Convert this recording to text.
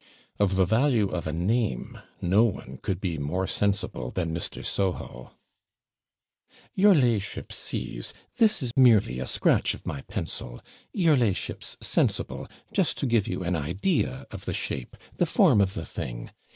Of the value of a NAME no one could be more sensible than Mr. Soho. 'Your la'ship sees this is merely a scratch of my pencil your la'ship's sensible just to give you an idea of the shape, the form of the thing.